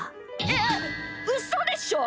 えっうそでしょ！？